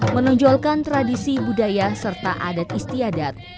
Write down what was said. menonjolkan tradisi budaya serta adat istiadat